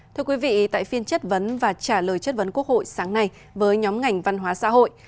thưa quý vị tại phiên chất vấn và trả lời chất vấn quốc hội sáng nay với nhóm ngành văn hóa xã hội